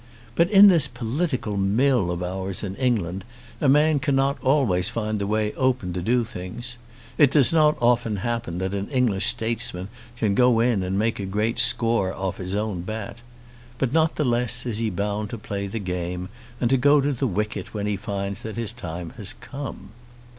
But in this political mill of ours in England, a man cannot always find the way open to do things. It does not often happen that an English statesman can go in and make a great score off his own bat. But not the less is he bound to play the game and to go to the wicket when he finds that his time has come.